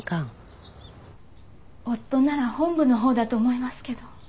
夫なら本部のほうだと思いますけど。